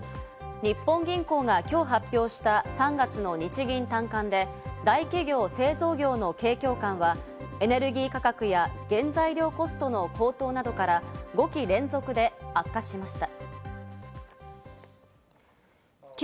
日本銀行が今日発表した３月の日銀短観で大企業・製造業の景況感はエネルギー価格や原材料コストの高騰などから５期連続で悪化しました。